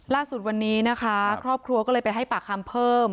ล่าสุดวันนี้นะคะครอบครัวก็เลยไปให้ปากคำเพิ่ม